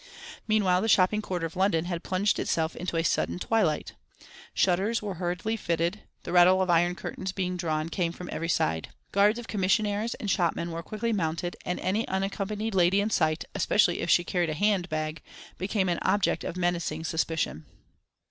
Meanwhile the shopping quarter of London had plunged itself into a sudden twilight. Shutters were hurriedly fitted; the rattle of iron curtains being drawn came from every side. Guards of commissionaires and shopmen were quickly mounted, and any unaccompanied lady in sight, especially if she carried a hand bag, became an object of menacing suspicion.